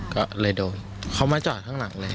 ก็เลยโดนเขามาจอดข้างหลังเลย